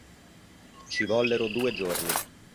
Ci vollero due giorni.